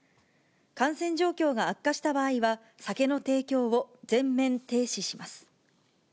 感染状況が悪化した場合は酒の提供を全面停止します。